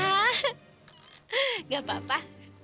hah gak apa apa